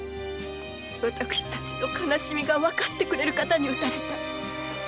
私たちの哀しみがわかってくれる方に討たれたい。